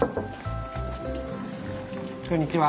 こんにちは。